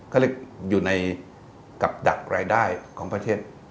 เขาเรียกอยู่ในกับดักรายได้ของประเทศ